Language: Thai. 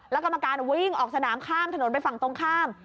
แล้วกรรมการวิ่งออกสนามข้ามถนนไปฝั่งตรงข้าม